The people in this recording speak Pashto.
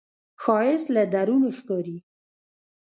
ښایست له درون ښکاري